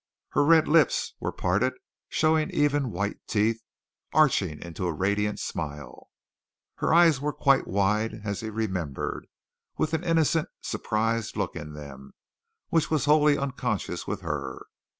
Her red lips were parted, showing even white teeth, arching into a radiant smile. Her eyes were quite wide as he remembered, with an innocent, surprised look in them, which was wholly unconscious with her.